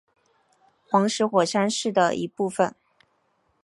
黄石火山是的一部分。